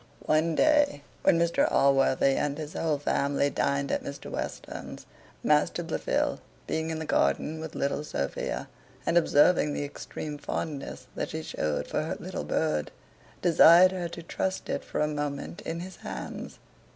One day, when Mr Allworthy and his whole family dined at Mr Western's, Master Blifil, being in the garden with little Sophia, and observing the extreme fondness that she showed for her little bird, desired her to trust it for a moment in his hands.